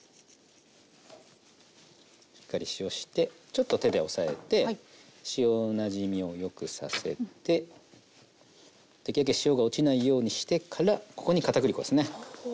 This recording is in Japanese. しっかり塩してちょっと手で押さえて塩なじみをよくさせてできるだけ塩が落ちないようにしてからここに片栗粉ですね。